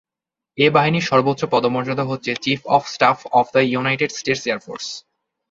এই বাহিনীর সর্বোচ্চ পদমর্যাদা হচ্ছে chief of staff of the United States Air force.